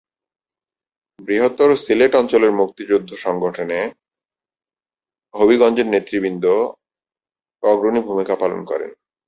বৃহত্তর সিলেট অঞ্চলের মুক্তিযুদ্ধ সংগঠনে হবিগঞ্জের নেতৃবৃন্দ অগ্রণী ভূমিকা পালন করেন।